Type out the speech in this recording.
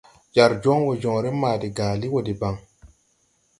Jar jɔŋ wɔ jɔŋre maa de gaali wɔ deɓaŋ.